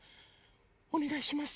おねがいします。